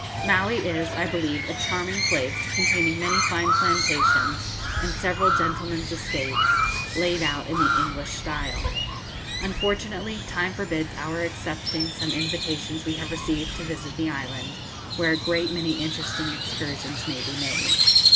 Maui is, I believe, a charming place, containing many fine plantations, and several gentlemen's estates, laid out in the English style. Unfortunately, time forbids our accepting some invitations we have received to visit the island, where a great many interesting excursions may be made.